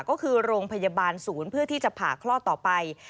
ก็คือโรงพยาบาลศูนย์เพื่อที่จะผ่าคลอดต่อไป